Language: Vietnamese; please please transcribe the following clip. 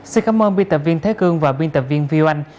xin cảm ơn biên tập viên thế cương và biên tập viên viu anh